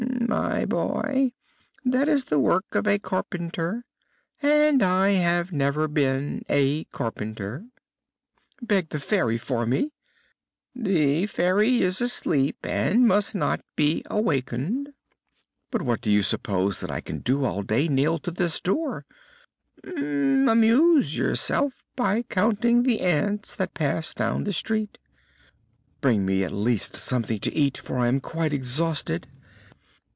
"My boy, that is the work of a carpenter, and I have never been a carpenter." "Beg the Fairy from me!" "The Fairy is asleep and must not be awakened." "But what do you suppose that I can do all day nailed to this door?" "Amuse yourself by counting the ants that pass down the street." "Bring me at least something to eat, for I am quite exhausted."